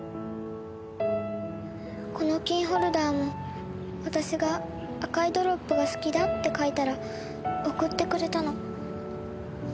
このキーホルダーも私が赤いドロップが好きだって書いたら送ってくれたの。